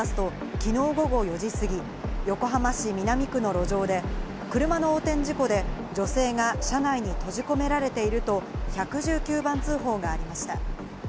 きのう午後４時すぎ、横浜市南区の路上で、車の横転事故で女性が車内に閉じ込められていると１１９番通報がありました。